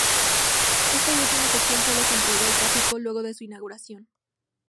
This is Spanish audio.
Esta última sección sólo se entregó al tráfico luego de su inauguración.